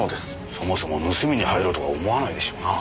そもそも盗みに入ろうとは思わないでしょうな。